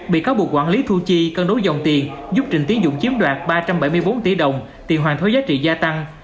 bị cáo buộc quản lý thu chi cân đối dòng tiền giúp trịnh tiến dũng chiếm đoạt ba trăm bảy mươi bốn tỷ đồng tiền hoàn thuế giá trị gia tăng